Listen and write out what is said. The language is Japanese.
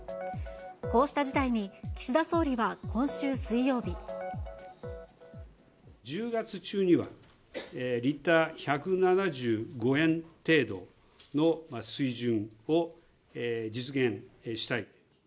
こうした事態に岸田総理は今週水曜日。１０月中にはリッター１７５円程度の水準を実現したい。